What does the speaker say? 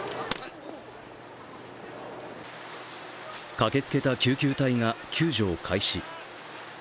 駆けつけた救急隊が救助を開始。